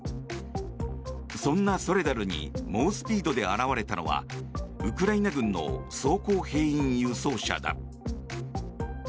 そんなソレダルに猛スピードで現れたのはウクライナ軍の装甲兵員輸送車だ。